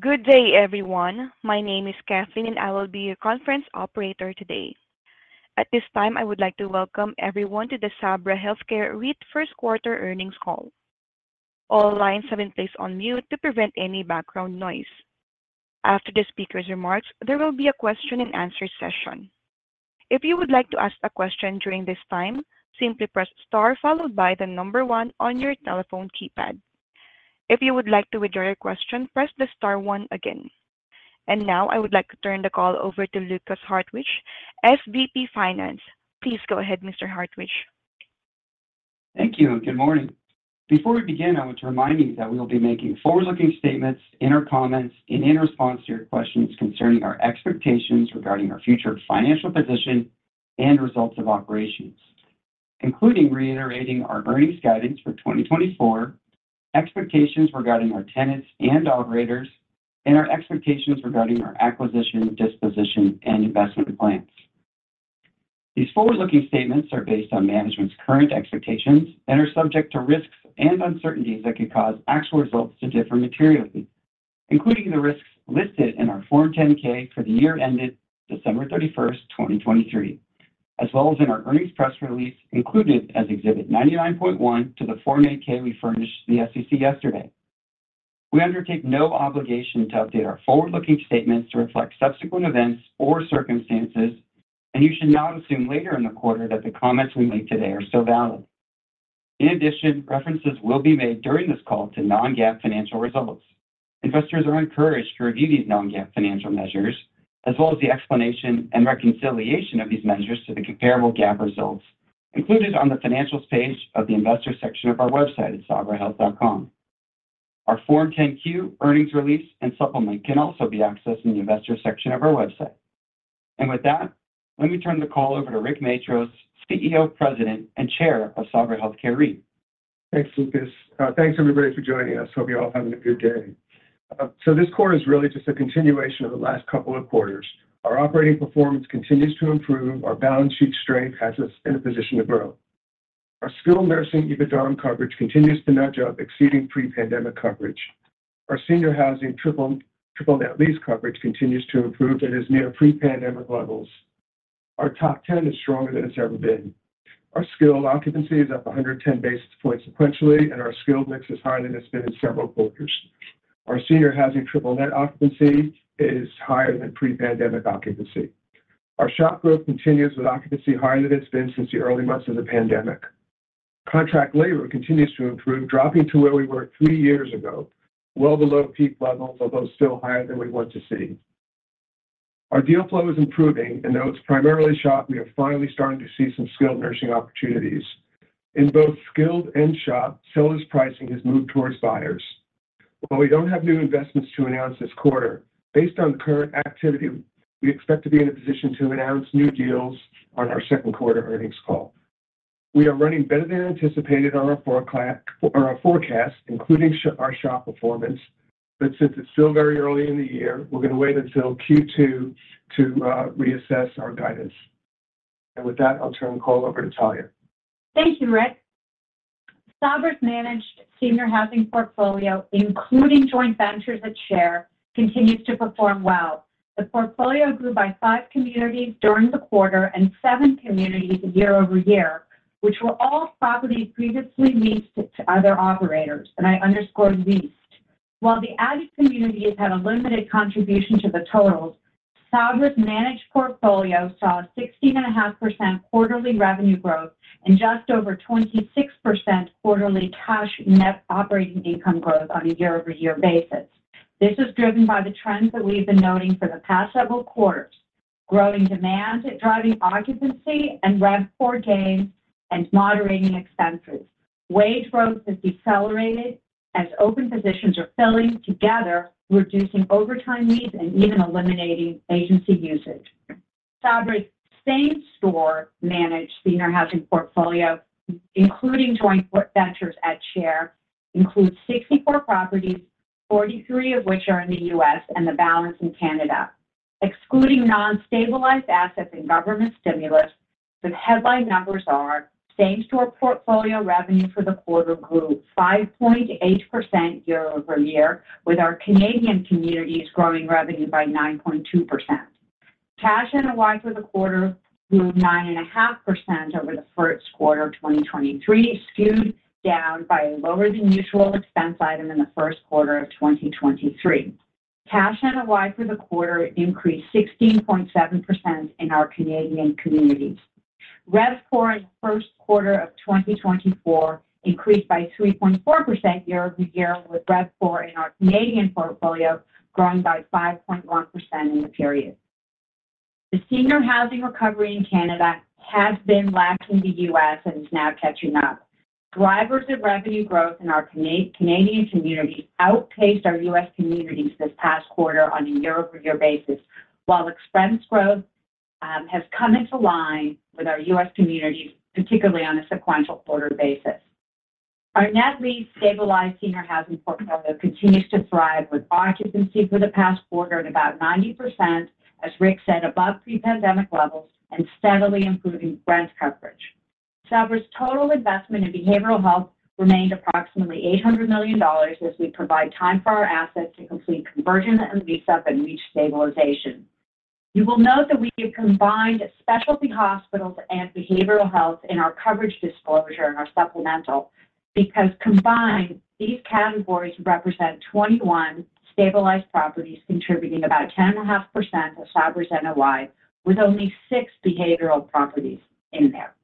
Good day, everyone. My name is Kathleen, and I will be your conference operator today. At this time, I would like to welcome everyone to the Sabra Health Care REIT first-quarter earnings call. All lines have been placed on mute to prevent any background noise. After the speaker's remarks, there will be a question-and-answer session. If you would like to ask a question during this time, simply press * followed by the number 1 on your telephone keypad. If you would like to withdraw your question, press the * 1 again. And now I would like to turn the call over to Lukas Hartwich, SVP Finance. Please go ahead, Mr. Hartwich. Thank you. Good morning. Before we begin, I want to remind you that we will be making forward-looking statements in our comments and in response to your questions concerning our expectations regarding our future financial position and results of operations, including reiterating our earnings guidance for 2024, expectations regarding our tenants and operators, and our expectations regarding our acquisition, disposition, and investment plans. These forward-looking statements are based on management's current expectations and are subject to risks and uncertainties that could cause actual results to differ materially, including the risks listed in our Form 10-K for the year ended December 31, 2023, as well as in our earnings press release included as Exhibit 99.1 to the Form 8-K we furnished the SEC yesterday. We undertake no obligation to update our forward-looking statements to reflect subsequent events or circumstances, and you should not assume later in the quarter that the comments we made today are still valid. In addition, references will be made during this call to non-GAAP financial results. Investors are encouraged to review these non-GAAP financial measures, as well as the explanation and reconciliation of these measures to the comparable GAAP results included on the Financials page of the Investors section of our website at sabrahealth.com. Our Form 10-Q earnings release and supplement can also be accessed in the Investors section of our website. With that, let me turn the call over to Rick Matros, CEO, President, and Chair of Sabra Health Care REIT. Thanks, Lukas. Thanks, everybody, for joining us. Hope you're all having a good day. So this quarter is really just a continuation of the last couple of quarters. Our operating performance continues to improve. Our balance sheet strength has us in a position to grow. Our skilled nursing EBITDA coverage continues to nudge up, exceeding pre-pandemic coverage. Our senior housing triple-net lease coverage continues to improve and is near pre-pandemic levels. Our top 10 is stronger than it's ever been. Our skilled occupancy is up 110 basis points sequentially, and our skilled mix is higher than it's been in several quarters. Our senior housing triple-net occupancy is higher than pre-pandemic occupancy. Our SHOP growth continues with occupancy higher than it's been since the early months of the pandemic. Contract labor continues to improve, dropping to where we were three years ago, well below peak levels, although still higher than we want to see. Our deal flow is improving, and though it's primarily shop, we are finally starting to see some skilled nursing opportunities. In both skilled and shop, seller's pricing has moved towards buyers. While we don't have new investments to announce this quarter, based on the current activity, we expect to be in a position to announce new deals on our second-quarter earnings call. We are running better than anticipated on our forecast, including our shop performance, but since it's still very early in the year, we're going to wait until Q2 to reassess our guidance. With that, I'll turn the call over to Talya. Thank you, Rick. Sabra's managed senior housing portfolio, including joint ventures at share, continues to perform well. The portfolio grew by 5 communities during the quarter and 7 communities year-over-year, which were all properties previously leased to other operators, and I underscore leased. While the added communities had a limited contribution to the totals, Sabra's managed portfolio saw a 16.5% quarterly revenue growth and just over 26% quarterly cash net operating income growth on a year-over-year basis. This is driven by the trends that we've been noting for the past several quarters: growing demand, driving occupancy, and RevPAR gains, and moderating expenses. Wage growth has decelerated as open positions are filling together, reducing overtime needs and even eliminating agency usage. Sabra's same-store managed senior housing portfolio, including joint ventures at share, includes 64 properties, 43 of which are in the U.S. and the balance in Canada. Excluding non-stabilized assets and government stimulus, the headline numbers are: same-store portfolio revenue for the quarter grew 5.8% year-over-year, with our Canadian communities growing revenue by 9.2%. Cash NOI for the quarter grew 9.5% over the first quarter of 2023, skewed down by a lower-than-usual expense item in the first quarter of 2023. Cash NOI for the quarter increased 16.7% in our Canadian communities. RevPOR in the first quarter of 2024 increased by 3.4% year-over-year, with RevPOR in our Canadian portfolio growing by 5.1% in the period. The senior housing recovery in Canada has been lacking the U.S. and is now catching up. Drivers of revenue growth in our Canadian communities outpaced our U.S. communities this past quarter on a year-over-year basis, while expense growth has come into line with our U.S. communities, particularly on a sequential quarter basis. Our net lease stabilized senior housing portfolio continues to thrive with occupancy for the past quarter at about 90%, as Rick said, above pre-pandemic levels, and steadily improving rent coverage. Sabra's total investment in behavioral health remained approximately $800 million as we provide time for our assets to complete conversion and lease-up and reach stabilization. You will note that we have combined specialty hospitals and behavioral health in our coverage disclosure and our supplemental because, combined, these categories represent 21 stabilized properties contributing about 10.5% of Sabra's NOI, with only six behavioral properties in there.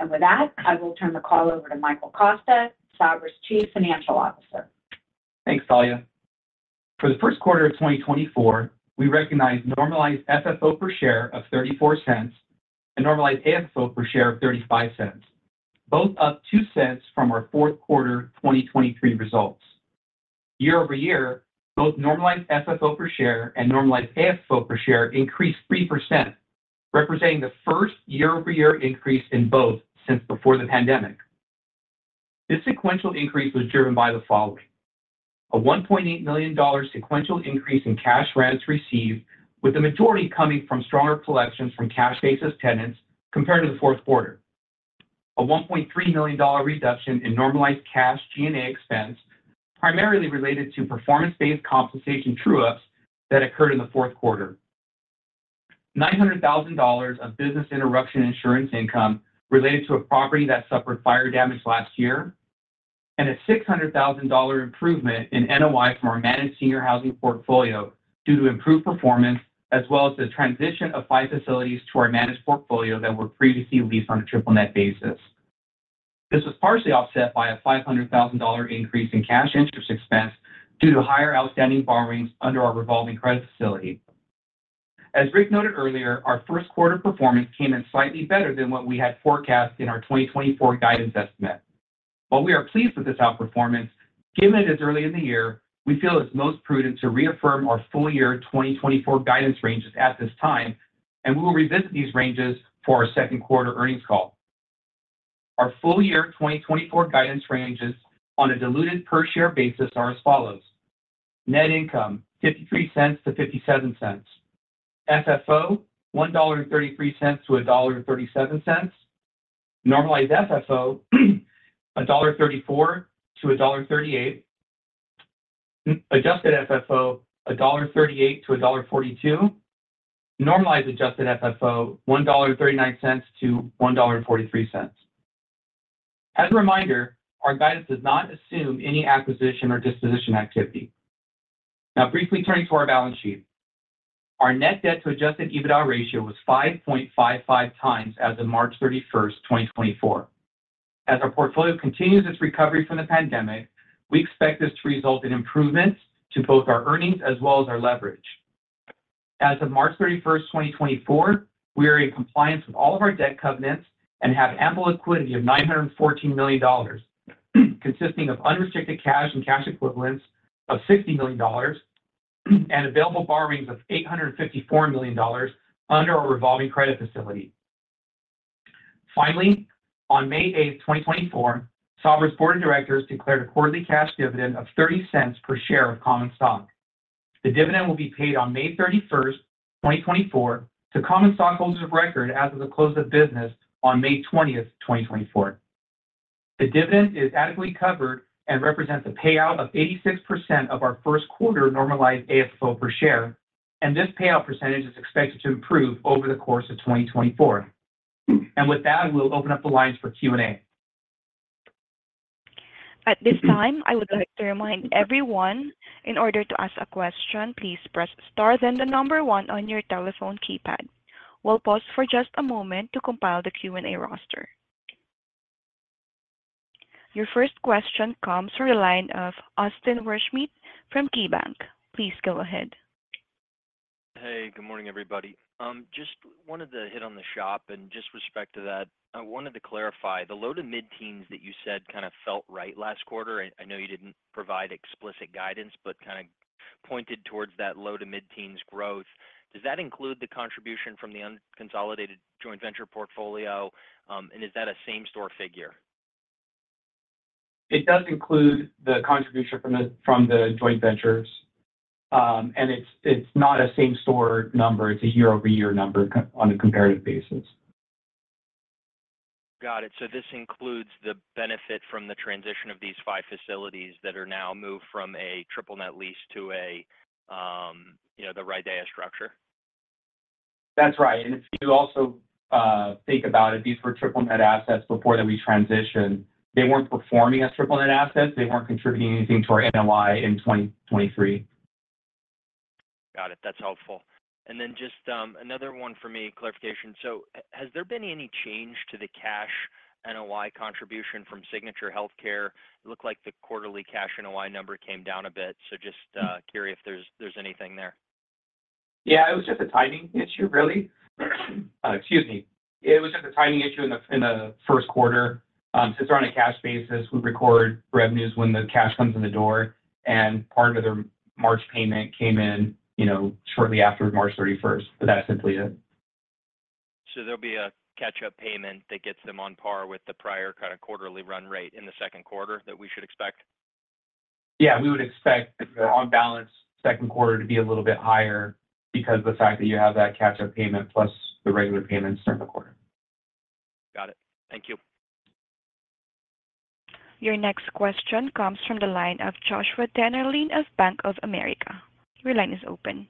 With that, I will turn the call over to Michael Costa, Sabra's Chief Financial Officer. Thanks, Talya. For the first quarter of 2024, we recognized normalized FFO per share of $0.34 and normalized AFFO per share of $0.35, both up $0.02 from our fourth quarter 2023 results. Year-over-year, both normalized FFO per share and normalized AFFO per share increased 3%, representing the first year-over-year increase in both since before the pandemic. This sequential increase was driven by the following: a $1.8 million sequential increase in cash rents received, with the majority coming from stronger collections from cash-based tenants compared to the fourth quarter, a $1.3 million reduction in normalized cash G&A expense, primarily related to performance-based compensation true-ups that occurred in the fourth quarter, $900,000 of business interruption insurance income related to a property that suffered fire damage last year, and a $600,000 improvement in NOI from our managed senior housing portfolio due to improved performance, as well as the transition of five facilities to our managed portfolio that were previously leased on a triple net basis. This was partially offset by a $500,000 increase in cash interest expense due to higher outstanding borrowings under our revolving credit facility. As Rick noted earlier, our first quarter performance came in slightly better than what we had forecast in our 2024 guidance estimate. While we are pleased with this outperformance, given it is early in the year, we feel it's most prudent to reaffirm our full-year 2024 guidance ranges at this time, and we will revisit these ranges for our second quarter earnings call. Our full-year 2024 guidance ranges on a diluted per-share basis are as follows: net income $0.53-$0.57; FFO $1.33-$1.37; normalized FFO $1.34-$1.38; adjusted FFO $1.38-$1.42; normalized adjusted FFO $1.39-$1.43. As a reminder, our guidance does not assume any acquisition or disposition activity. Now, briefly turning to our balance sheet, our net debt-to-adjusted EBITDA ratio was 5.55 times as of March 31, 2024. As our portfolio continues its recovery from the pandemic, we expect this to result in improvements to both our earnings as well as our leverage. As of March 31, 2024, we are in compliance with all of our debt covenants and have ample liquidity of $914 million, consisting of unrestricted cash and cash equivalents of $60 million and available borrowings of $854 million under our revolving credit facility. Finally, on May 8, 2024, Sabra's board of directors declared a quarterly cash dividend of $0.30 per share of common stock. The dividend will be paid on May 31, 2024, to common stockholders of record as of the close of business on May 20, 2024. The dividend is adequately covered and represents a payout of 86% of our first-quarter normalized AFFO per share, and this payout percentage is expected to improve over the course of 2024. And with that, we'll open up the lines for Q&A. At this time, I would like to remind everyone, in order to ask a question, please press * then the number 1 on your telephone keypad. We'll pause for just a moment to compile the Q&A roster. Your first question comes from the line of Austin Wurschmidt from KeyBanc. Please go ahead. Hey, good morning, everybody. Just wanted to hit on the shop. And just with respect to that, I wanted to clarify. The low-to-mid teens that you said kind of felt right last quarter. I know you didn't provide explicit guidance, but kind of pointed towards that low-to-mid teens growth. Does that include the contribution from the unconsolidated joint venture portfolio, and is that a same-store figure? It does include the contribution from the joint ventures. It's not a same-store number. It's a year-over-year number on a comparative basis. Got it. This includes the benefit from the transition of these five facilities that are now moved from a triple net lease to the RIDEA structure? That's right. If you also think about it, these were triple net assets before that we transitioned. They weren't performing as triple net assets. They weren't contributing anything to our NOI in 2023. Got it. That's helpful. And then just another one for me, clarification. So has there been any change to the cash NOI contribution from Signature Healthcare? It looked like the quarterly cash NOI number came down a bit. So just curious if there's anything there. Yeah, it was just a timing issue, really. Excuse me. It was just a timing issue in the first quarter. Since we're on a cash basis, we record revenues when the cash comes in the door. And part of their March payment came in shortly after March 31, but that's simply it. There'll be a catch-up payment that gets them on par with the prior kind of quarterly run rate in the second quarter that we should expect? Yeah, we would expect the on-balance second quarter to be a little bit higher because of the fact that you have that catch-up payment plus the regular payments during the quarter. Got it. Thank you. Your next question comes from the line of Joshua Dennerlein of Bank of America. Your line is open.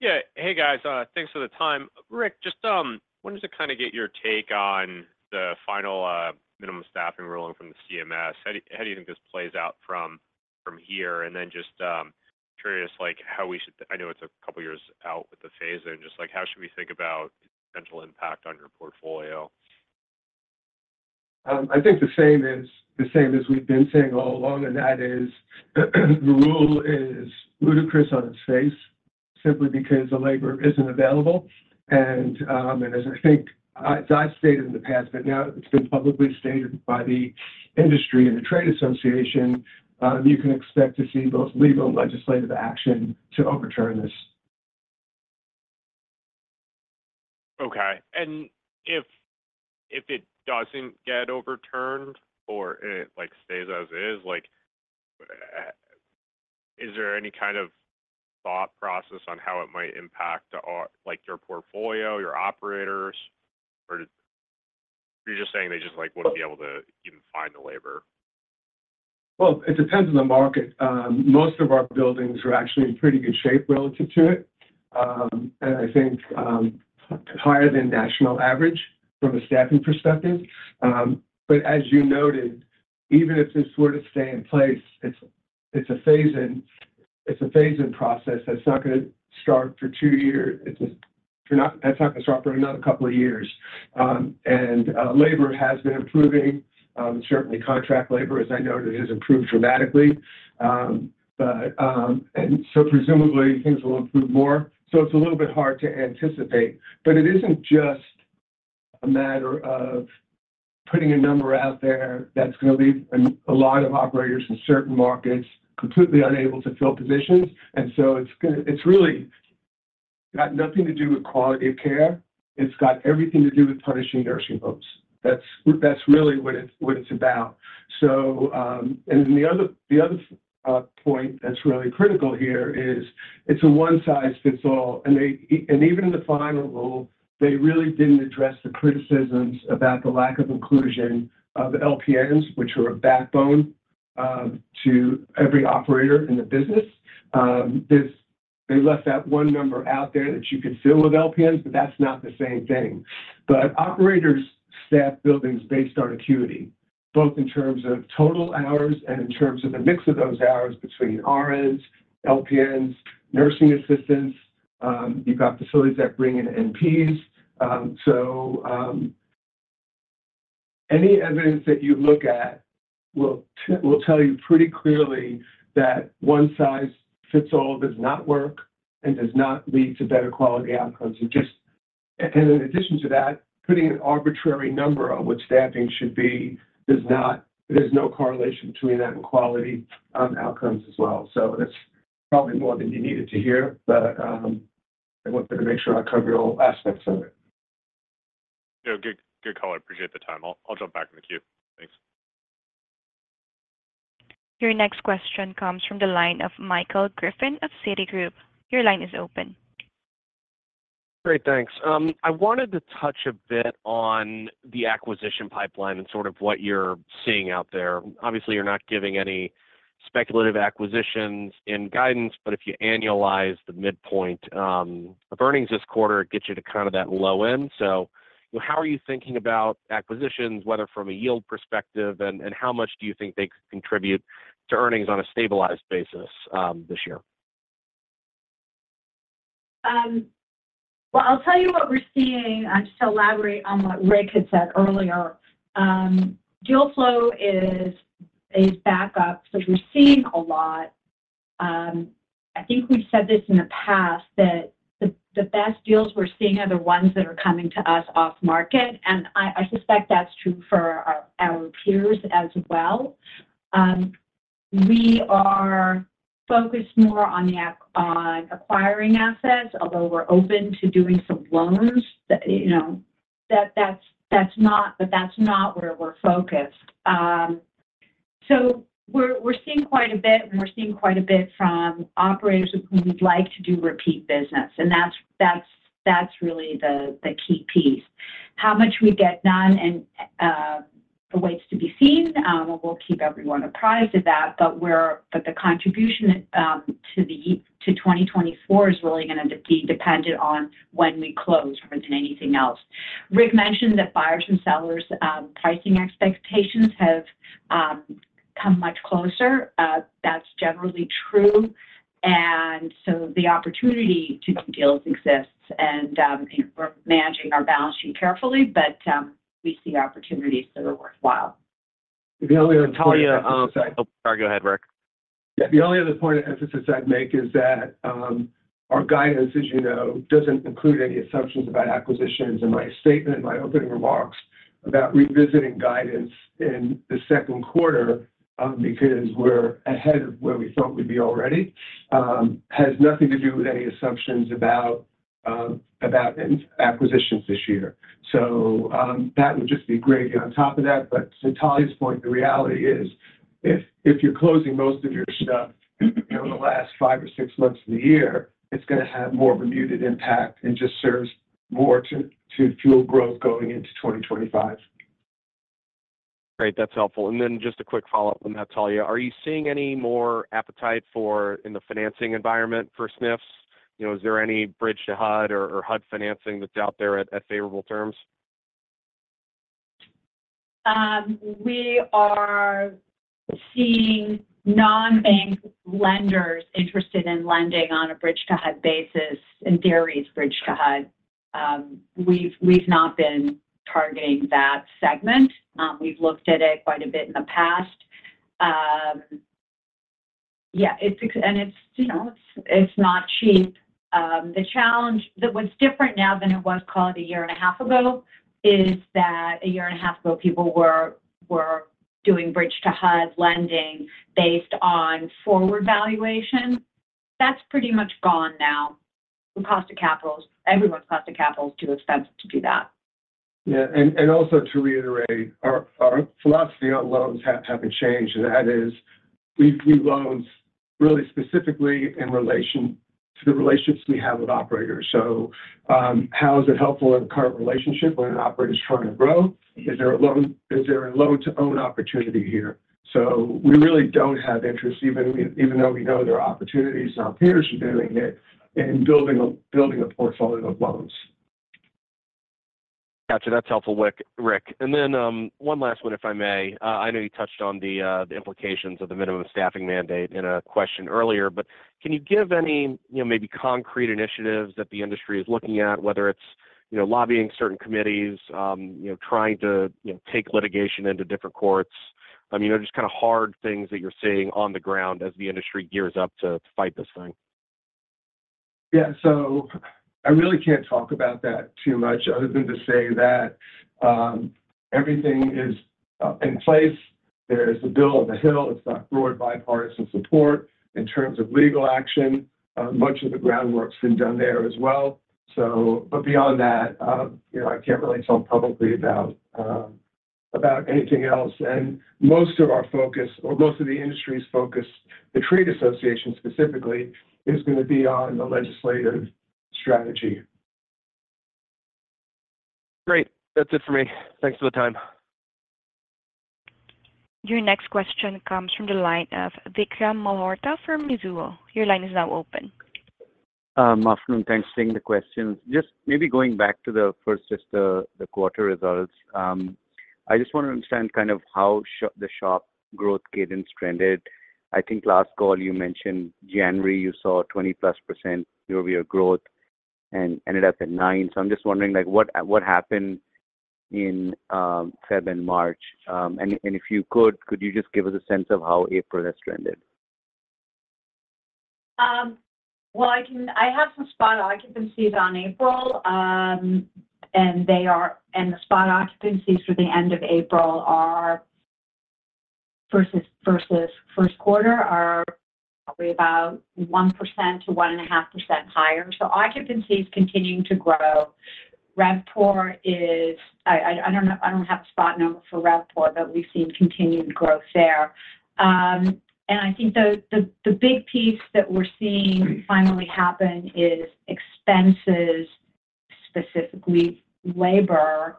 Yeah. Hey, guys. Thanks for the time. Rick, just wanted to kind of get your take on the final minimum staffing ruling from the CMS. How do you think this plays out from here? And then just curious how we should, you know, it's a couple of years out with the phase, and just how should we think about its potential impact on your portfolio? I think the same as we've been saying all along, and that is the rule is ludicrous on its face simply because the labor isn't available. As I think as I've stated in the past, but now it's been publicly stated by the industry and the trade association, you can expect to see both legal and legislative action to overturn this. Okay. And if it doesn't get overturned or it stays as is, is there any kind of thought process on how it might impact your portfolio, your operators, or are you just saying they just wouldn't be able to even find the labor? Well, it depends on the market. Most of our buildings are actually in pretty good shape relative to it, and I think higher than national average from a staffing perspective. But as you noted, even if this were to stay in place, it's a phase-in process. It's not going to start for 2 years. It's not going to stop for another couple of years. And labor has been improving. Certainly, contract labor, as I noted, has improved dramatically. And so presumably, things will improve more. So it's a little bit hard to anticipate. But it isn't just a matter of putting a number out there that's going to leave a lot of operators in certain markets completely unable to fill positions. And so it's really got nothing to do with quality of care. It's got everything to do with punishing nursing homes. That's really what it's about. Then the other point that's really critical here is it's a one-size-fits-all. Even in the final rule, they really didn't address the criticisms about the lack of inclusion of LPNs, which are a backbone to every operator in the business. They left that one number out there that you could fill with LPNs, but that's not the same thing. But operators staff buildings based on acuity, both in terms of total hours and in terms of the mix of those hours between RNs, LPNs, nursing assistants. You've got facilities that bring in NPs. Any evidence that you look at will tell you pretty clearly that one-size-fits-all does not work and does not lead to better quality outcomes. In addition to that, putting an arbitrary number on what staffing should be, there's no correlation between that and quality outcomes as well. That's probably more than you needed to hear, but I wanted to make sure I covered all aspects of it. Yeah. Good call. I appreciate the time. I'll jump back in the queue. Thanks. Your next question comes from the line of Michael Griffin of Citigroup. Your line is open. Great. Thanks. I wanted to touch a bit on the acquisition pipeline and sort of what you're seeing out there. Obviously, you're not giving any speculative acquisitions in guidance, but if you annualize the midpoint of earnings this quarter, it gets you to kind of that low end. So how are you thinking about acquisitions, whether from a yield perspective, and how much do you think they contribute to earnings on a stabilized basis this year? Well, I'll tell you what we're seeing. I'm just going to elaborate on what Rick had said earlier. Deal flow is backup, so we're seeing a lot. I think we've said this in the past, that the best deals we're seeing are the ones that are coming to us off-market. And I suspect that's true for our peers as well. We are focused more on acquiring assets, although we're open to doing some loans. But that's not where we're focused. So we're seeing quite a bit, and we're seeing quite a bit from operators who would like to do repeat business. And that's really the key piece. How much we get done awaits to be seen. We'll keep everyone apprised of that. But the contribution to 2024 is really going to be dependent on when we close more than anything else. Rick mentioned that buyers and sellers' pricing expectations have come much closer. That's generally true. And so the opportunity to do deals exists. And we're managing our balance sheet carefully, but we see opportunities that are worthwhile. The only other point. Talya, sorry. Oh, sorry. Go ahead, Rick. Yeah. The only other point of emphasis I'd make is that our guidance, as you know, doesn't include any assumptions about acquisitions. And my statement, my opening remarks about revisiting guidance in the second quarter because we're ahead of where we thought we'd be already has nothing to do with any assumptions about acquisitions this year. So that would just be great on top of that. But to Talya's point, the reality is if you're closing most of your stuff over the last five or six months of the year, it's going to have more of a muted impact and just serves more to fuel growth going into 2025. Great. That's helpful. And then just a quick follow-up on that, Talya. Are you seeing any more appetite in the financing environment for SNFs? Is there any Bridge to HUD or HUD financing that's out there at favorable terms? We are seeing non-bank lenders interested in lending on a Bridge to HUD basis, in theory, it's Bridge to HUD. We've not been targeting that segment. We've looked at it quite a bit in the past. Yeah. And it's not cheap. The challenge that what's different now than it was, call it, a year and a half ago is that a year and a half ago, people were doing Bridge to HUD lending based on forward valuation. That's pretty much gone now. Everyone's cost of capital is too expensive to do that. Yeah. Also to reiterate, our philosophy on loans haven't changed. That is we loan really specifically in relation to the relationships we have with operators. So how is it helpful in the current relationship when an operator's trying to grow? Is there a loan-to-own opportunity here? So we really don't have interest, even though we know there are opportunities and our peers are doing it, in building a portfolio of loans. Gotcha. That's helpful, Rick. And then one last one, if I may. I know you touched on the implications of the minimum staffing mandate in a question earlier, but can you give any maybe concrete initiatives that the industry is looking at, whether it's lobbying certain committees, trying to take litigation into different courts, just kind of hard things that you're seeing on the ground as the industry gears up to fight this thing? Yeah. So I really can't talk about that too much other than to say that everything is in place. There's the bill on the hill. It's got broad bipartisan support in terms of legal action. Much of the groundwork's been done there as well. But beyond that, I can't really talk publicly about anything else. And most of our focus or most of the industry's focus, the trade association specifically, is going to be on the legislative strategy. Great. That's it for me. Thanks for the time. Your next question comes from the line of Vikram Malhotra from Mizuho. Your line is now open. Afternoon. Thanks for taking the questions. Just maybe going back to just the quarter results, I just want to understand kind of how the shop growth cadence trended. I think last call, you mentioned January, you saw 20%+ year-over-year growth and ended up at 9. So I'm just wondering what happened in February and March. And if you could, could you just give us a sense of how April has trended? Well, I have some spot occupancies on April. The spot occupancies for the end of April versus first quarter are probably about 1%-1.5% higher. Occupancies continuing to grow. RevPOR is. I don't have a spot number for RevPOR, but we've seen continued growth there. I think the big piece that we're seeing finally happen is expenses, specifically labor,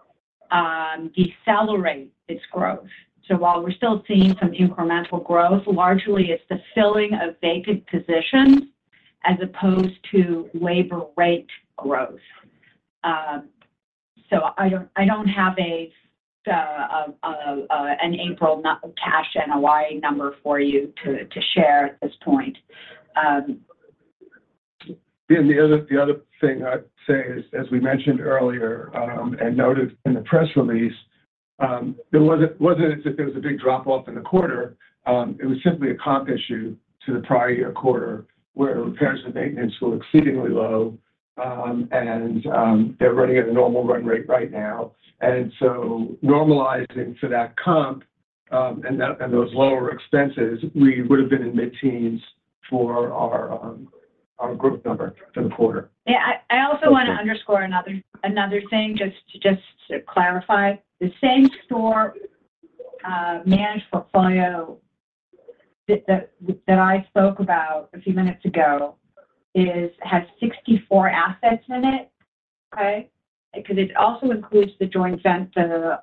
decelerate its growth. While we're still seeing some incremental growth, largely it's the filling of vacant positions as opposed to labor rate growth. I don't have an April cash NOI number for you to share at this point. Yeah. And the other thing I'd say is, as we mentioned earlier and noted in the press release, it wasn't as if there was a big drop-off in the quarter. It was simply a comp issue to the prior-year quarter where repairs and maintenance were exceedingly low, and they're running at a normal run rate right now. And so normalizing for that comp and those lower expenses, we would have been in mid-teens for our growth number for the quarter. Yeah. I also want to underscore another thing just to clarify. The same store managed portfolio that I spoke about a few minutes ago has 64 assets in it, okay, because it also includes the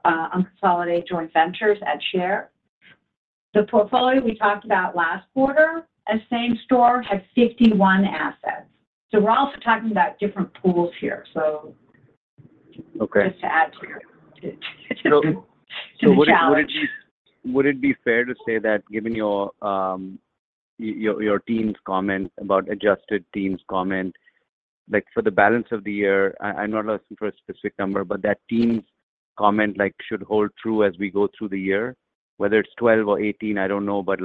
unconsolidated joint ventures at share. The portfolio we talked about last quarter, that same store, had 51 assets. So we're also talking about different pools here, just to add to your challenge. So would it be fair to say that, given your adjusted team's comment, for the balance of the year I'm not asking for a specific number, but that team's comment should hold true as we go through the year? Whether it's 12 or 18, I don't know. But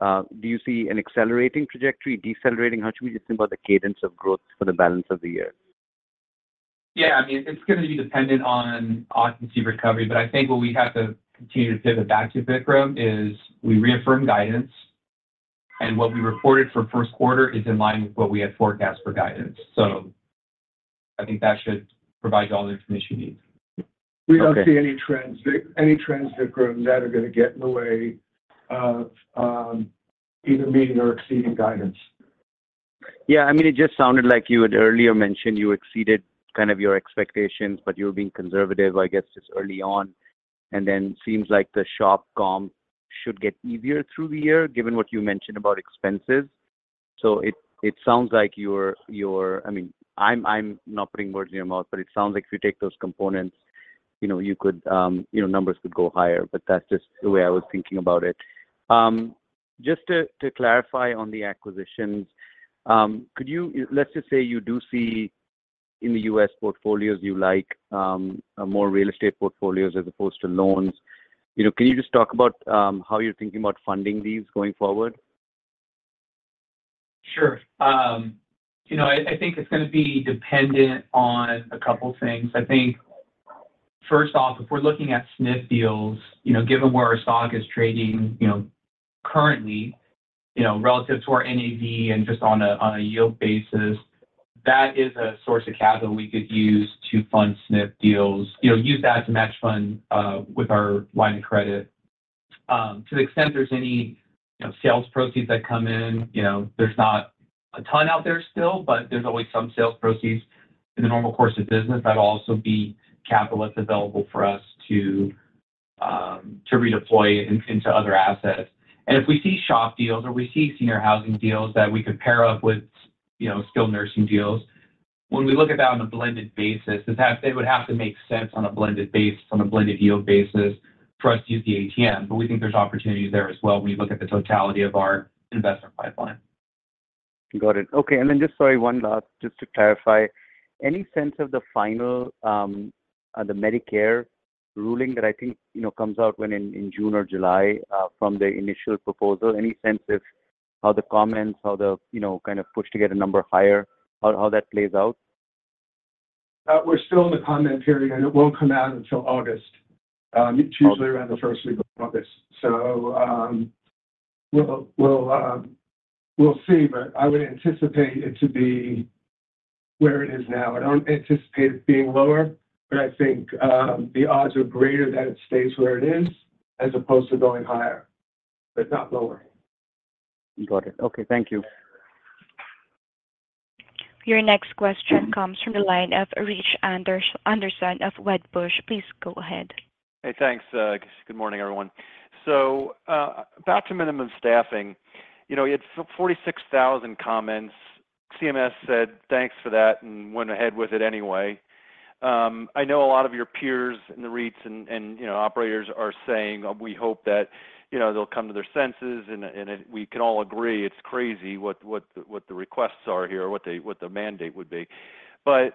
do you see an accelerating trajectory, decelerating? How should we just think about the cadence of growth for the balance of the year? Yeah. I mean, it's going to be dependent on occupancy recovery. But I think what we have to continue to pivot back to, Vikram, is we reaffirm guidance. And what we reported for first quarter is in line with what we had forecast for guidance. So I think that should provide you all the information you need. We don't see any trends, Vikram, that are going to get in the way of either meeting or exceeding guidance. Yeah. I mean, it just sounded like you had earlier mentioned you exceeded kind of your expectations, but you were being conservative, I guess, just early on. And then it seems like the shop comp should get easier through the year, given what you mentioned about expenses. So it sounds like you're, I mean, I'm not putting words in your mouth, but it sounds like if you take those components, you could, numbers could go higher. But that's just the way I was thinking about it. Just to clarify on the acquisitions, let's just say you do see in the US portfolios you like more real estate portfolios as opposed to loans. Can you just talk about how you're thinking about funding these going forward? Sure. I think it's going to be dependent on a couple of things. I think, first off, if we're looking at SNF deals, given where our stock is trading currently relative to our NAV and just on a yield basis, that is a source of capital we could use to fund SNF deals, use that to match fund with our line of credit. To the extent there's any sales proceeds that come in, there's not a ton out there still, but there's always some sales proceeds in the normal course of business that'll also be capital that's available for us to redeploy into other assets. If we see SHOP deals or we see senior housing deals that we could pair up with skilled nursing deals, when we look at that on a blended basis, they would have to make sense on a blended basis, on a blended yield basis for us to use the ATM. But we think there's opportunities there as well when you look at the totality of our investment pipeline. Got it. Okay. And then just sorry, one last, just to clarify, any sense of the Medicare ruling that I think comes out in June or July from the initial proposal? Any sense of how the comments, how the kind of push to get a number higher, how that plays out? We're still in the comment period, and it won't come out until August. It's usually around the first week of August. So we'll see. But I would anticipate it to be where it is now. I don't anticipate it being lower, but I think the odds are greater that it stays where it is as opposed to going higher, but not lower. Got it. Okay. Thank you. Your next question comes from the line of Rich Anderson of Wedbush. Please go ahead. Hey. Thanks. Good morning, everyone. So back to minimum staffing. You had 46,000 comments. CMS said thanks for that and went ahead with it anyway. I know a lot of your peers in the REITs and operators are saying, "We hope that they'll come to their senses." And we can all agree it's crazy what the requests are here, what the mandate would be. But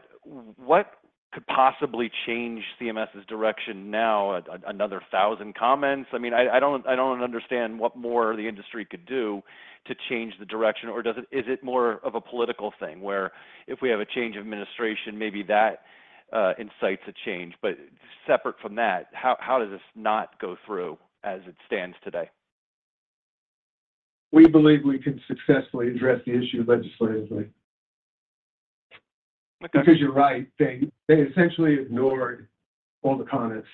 what could possibly change CMS's direction now, another 1,000 comments? I mean, I don't understand what more the industry could do to change the direction, or is it more of a political thing where if we have a change of administration, maybe that incites a change? But separate from that, how does this not go through as it stands today? We believe we can successfully address the issue legislatively. Because you're right, they essentially ignored all the comments,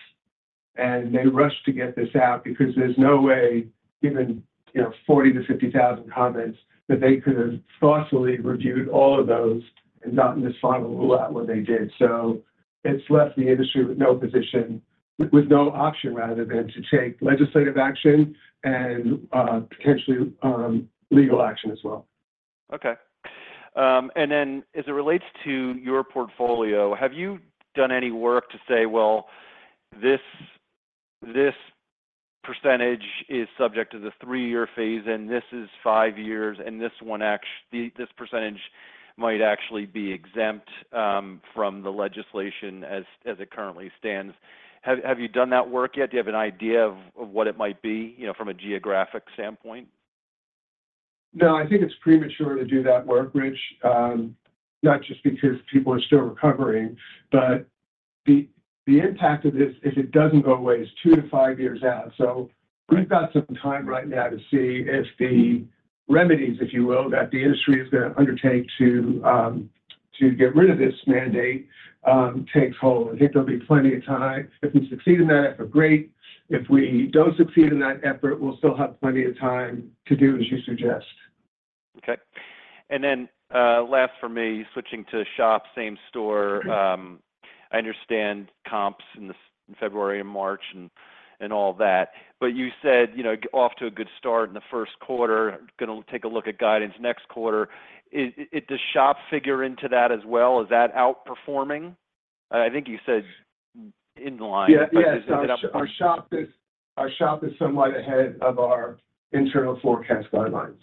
and they rushed to get this out because there's no way, given 40-50 thousand comments, that they could have thoughtfully reviewed all of those and gotten this final rule out when they did. So it's left the industry with no position, with no option rather than to take legislative action and potentially legal action as well. Okay. And then as it relates to your portfolio, have you done any work to say, "Well, this percentage is subject to the three-year phase, and this is five years, and this percentage might actually be exempt from the legislation as it currently stands"? Have you done that work yet? Do you have an idea of what it might be from a geographic standpoint? No. I think it's premature to do that work, Rick, not just because people are still recovering, but the impact of this, if it doesn't go away, is 2-5 years out. So we've got some time right now to see if the remedies, if you will, that the industry is going to undertake to get rid of this mandate takes hold. I think there'll be plenty of time. If we succeed in that effort, great. If we don't succeed in that effort, we'll still have plenty of time to do as you suggest. Okay. And then last for me, switching to shop, same store. I understand comps in February and March and all that, but you said off to a good start in the first quarter, going to take a look at guidance next quarter. Does shop figure into that as well? Is that outperforming? I think you said in the line. Yeah. Yeah. Our shop is somewhat ahead of our internal forecast guidelines.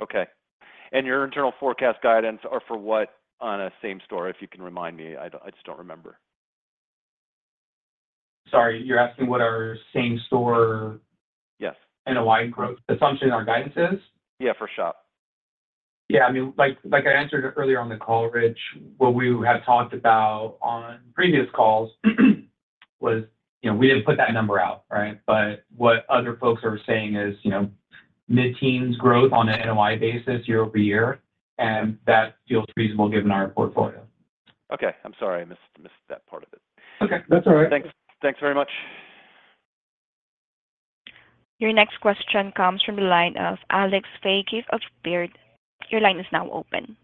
Okay. And your internal forecast guidance are for what on a same store, if you can remind me? I just don't remember. Sorry. You're asking what our same store NOI growth assumption in our guidance is? Yeah. For SHOP. Yeah. I mean, like I answered earlier on the call, Rich, what we have talked about on previous calls was we didn't put that number out, right? But what other folks are saying is mid-teens growth on an NOI basis year-over-year, and that feels reasonable given our portfolio. Okay. I'm sorry I missed that part of it. Okay. That's all right. Thanks very much. Your next question comes from the line of Alec Feygin of Baird. Your line is now open.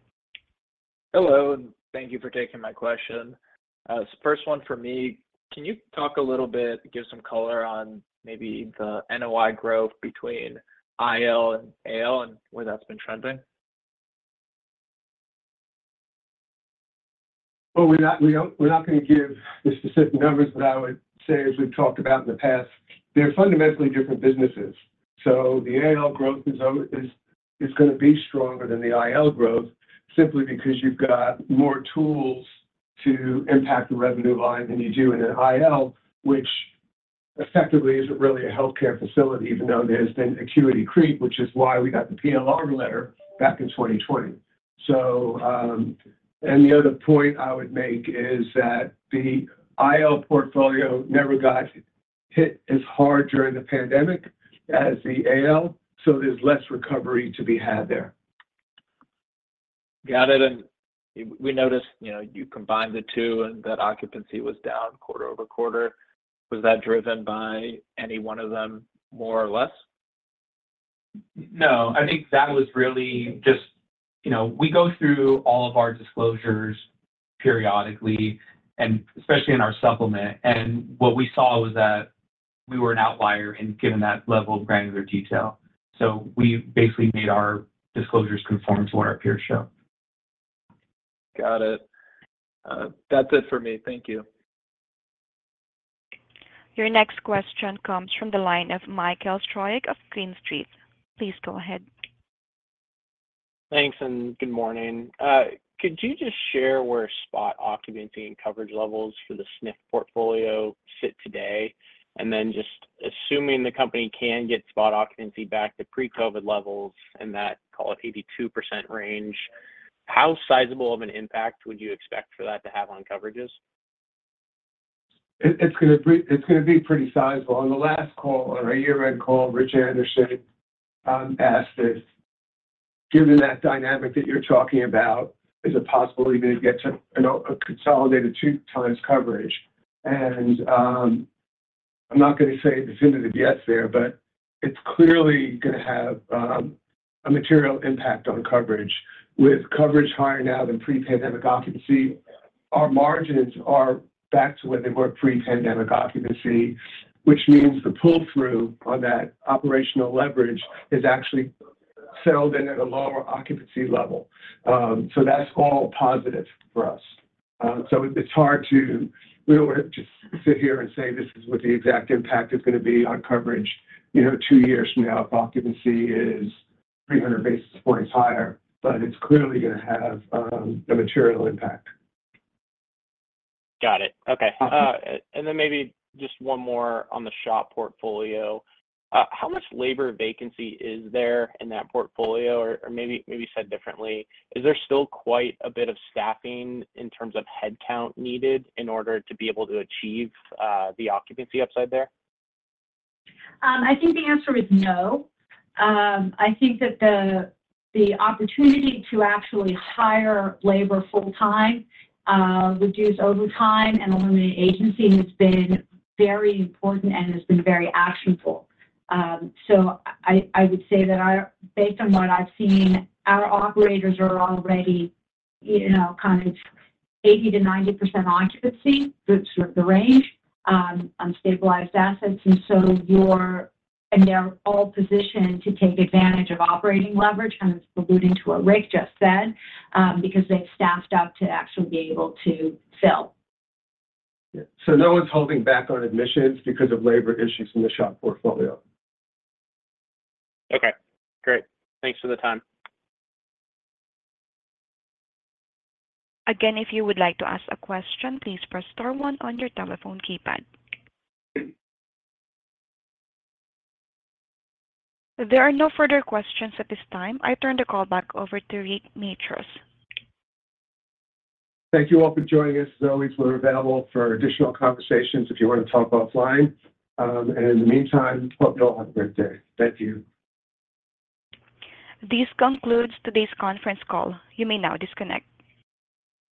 Hello. Thank you for taking my question. First one for me, can you talk a little bit, give some color on maybe the NOI growth between IL and AL and where that's been trending? Well, we're not going to give the specific numbers, but I would say, as we've talked about in the past, they're fundamentally different businesses. So the AL growth is going to be stronger than the IL growth simply because you've got more tools to impact the revenue line than you do in an IL, which effectively isn't really a healthcare facility, even though there's been acuity creep, which is why we got the PLR letter back in 2020. And the other point I would make is that the IL portfolio never got hit as hard during the pandemic as the AL, so there's less recovery to be had there. Got it. And we noticed you combined the two and that occupancy was down quarter-over-quarter. Was that driven by any one of them more or less? No. I think that was really just we go through all of our disclosures periodically, especially in our supplement. What we saw was that we were an outlier given that level of granular detail. We basically made our disclosures conform to what our peers show. Got it. That's it for me. Thank you. Your next question comes from the line of Michael Stroich of Green Street. Please go ahead. Thanks. Good morning. Could you just share where spot occupancy and coverage levels for the SNF portfolio sit today? And then just assuming the company can get spot occupancy back to pre-COVID levels in that, call it, 82% range, how sizable of an impact would you expect for that to have on coverages? It's going to be pretty sizable. On the last call, on our year-end call, Rich Anderson asked if, given that dynamic that you're talking about, is it possible even to get to a consolidated 2x coverage? I'm not going to say definitive yes there, but it's clearly going to have a material impact on coverage. With coverage higher now than pre-pandemic occupancy, our margins are back to where they were pre-pandemic occupancy, which means the pull-through on that operational leverage has actually settled in at a lower occupancy level. That's all positive for us. It's hard to really just sit here and say this is what the exact impact is going to be on coverage two years from now if occupancy is 300 basis points higher, but it's clearly going to have a material impact. Got it. Okay. And then maybe just one more on the SHOP portfolio. How much labor vacancy is there in that portfolio? Or maybe said differently, is there still quite a bit of staffing in terms of headcount needed in order to be able to achieve the occupancy upside there? I think the answer is no. I think that the opportunity to actually hire labor full-time, reduce overtime, and eliminate agency has been very important and has been very actionable. So I would say that based on what I've seen, our operators are already kind of 80%-90% occupancy, the range on stabilized assets. They're all positioned to take advantage of operating leverage, kind of alluding to what Rick just said, because they've staffed up to actually be able to fill. Yeah. So no one's holding back on admissions because of labor issues in the SHOP portfolio. Okay. Great. Thanks for the time. Again, if you would like to ask a question, please press star one on your telephone keypad. There are no further questions at this time. I turn the call back over to Rick Matros. Thank you all for joining us as always. We're available for additional conversations if you want to talk offline. In the meantime, hope you all have a great day. Thank you. This concludes today's conference call. You may now disconnect.